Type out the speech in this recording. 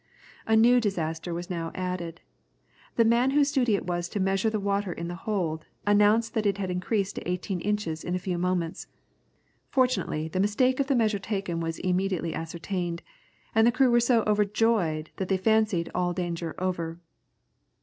A new disaster was now added. The man whose duty it was to measure the water in the hold, announced that it had increased to eighteen inches in a few moments. Fortunately the mistake of the measure taken was immediately ascertained, and the crew were so overjoyed that they fancied all danger over.